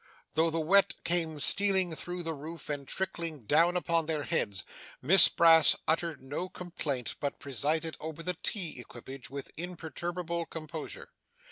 Though the wet came stealing through the roof and trickling down upon their heads, Miss Brass uttered no complaint, but presided over the tea equipage with imperturbable composure.